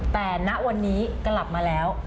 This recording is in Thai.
แต่ณวันนี้กลับมาแล้ว